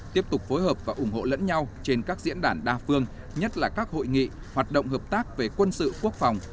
tiếp tục phối hợp và ủng hộ lẫn nhau trên các diễn đàn đa phương nhất là các hội nghị hoạt động hợp tác về quân sự quốc phòng